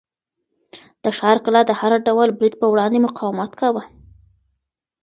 د ښار کلا د هر ډول برید په وړاندې مقاومت کاوه.